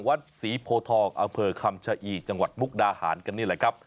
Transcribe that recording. วัดศรีโพทองอำเภอคำชะอีจังหวัดมุกดาหารกันนี่แหละครับ